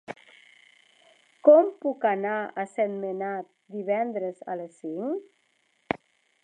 Com puc anar a Sentmenat divendres a les cinc?